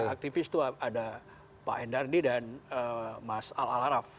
aktivis itu ada pak endardi dan mas al araf